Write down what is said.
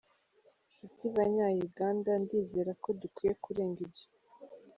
Nshuti Banya-Uganda, ndizera ko dukwiye kurenga ibyo.